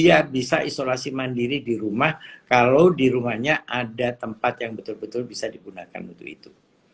jadi dia bisa dikonsumsi sendiri di rumah kalau di rumahnya ada tempat yang betul betul bisa digunakan untuk itu